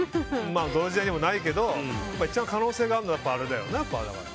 どの時代にもないけど一番可能性があるのはやっぱり、あれだよな。